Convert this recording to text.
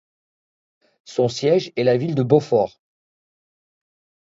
Son siège est la ville de Beaufort.